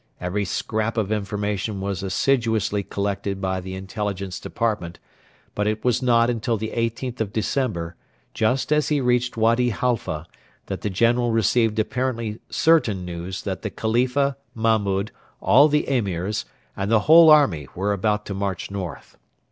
Every scrap of information was assiduously collected by the Intelligence Department, but it was not until the 18th of December, just as he reached Wady Halfa, that the General received apparently certain news that the Khalifa, Mahmud, all the Emirs, and the whole army were about to march north.